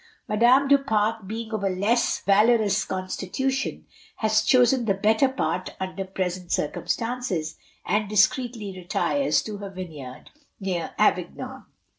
Madame du Pare being of a less valorous constitution, has chosen the better part under present circumstances, and discreetly retires to her vineyard near Avignon.